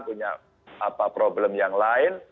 punya problem yang lain